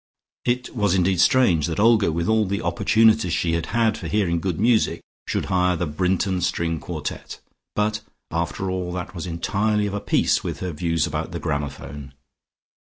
It was indeed strange that Olga with all the opportunities she had had for hearing good music, should hire the Brinton string quartet, but, after all, that was entirely of a piece with her views about the gramophone.